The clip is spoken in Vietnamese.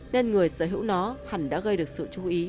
nên người sở hữu nó hẳn đã gây được sự chú ý